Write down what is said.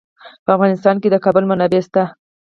په افغانستان کې د کابل منابع شته.